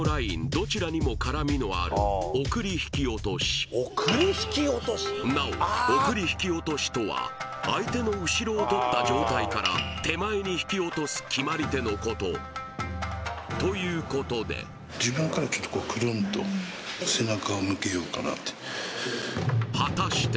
どちらにも絡みのある送り引き落としなお送り引き落としとは相手の後ろをとった状態から手前に引き落とす決まり手のことということで果たして？